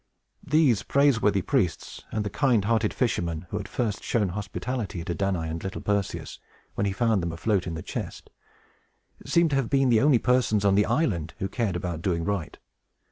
These praiseworthy priests, and the kind hearted fisherman, who had first shown hospitality to Danaë and little Perseus when he found them afloat in the chest, seem to have been the only persons on the island who cared about doing right.